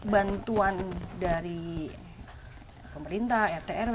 bantuan dari pemerintah rt rw kecamatan ke kota ke kota